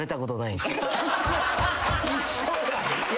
一緒や。